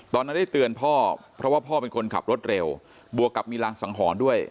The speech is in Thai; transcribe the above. ตอนนั้นได้เตือนพ่อเพราะว่าพ่อเป็นคนขับรถเร็วบวกกับมีรังสังหรณ์ด้วย